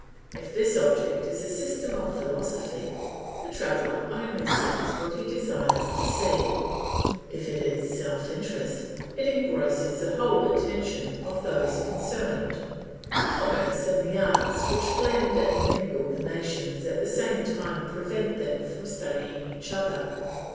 If this object is a system of philosophy, the traveller only sees what he desires to see; if it is self interest, it engrosses the whole attention of those concerned. Commerce and the arts which blend and mingle the nations at the same time prevent them from studying each other.